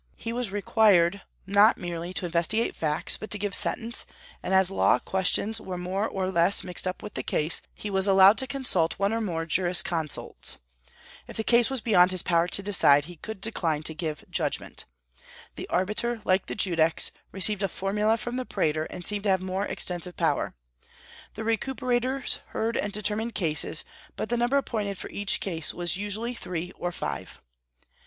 He was required not merely to investigate facts, but to give sentence; and as law questions were more or less mixed up with the case, he was allowed to consult one or more jurisconsults. If the case was beyond his power to decide, he could decline to give judgment. The arbiter, like the judex, received a formula from the praetor, and seemed to have more extensive power. The recuperators heard and determined cases, but the number appointed for each case was usually three or five.